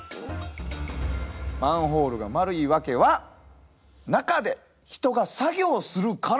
マンホールが丸いワケは中で人が作業をするから。